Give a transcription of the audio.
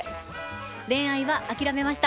恋愛は諦めました。